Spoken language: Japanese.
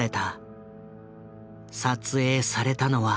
撮影されたのは。